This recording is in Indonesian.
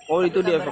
oh itu dia evakuasi